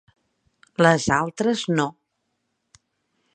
Les altres no.